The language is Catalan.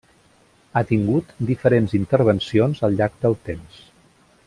Ha tingut diferents intervencions al llarg del temps.